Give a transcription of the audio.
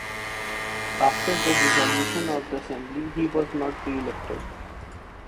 After the dissolution of the assembly he was not re-elected.